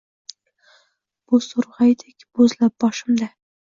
Bo‘zto‘rgaydek bo‘zlab boshimda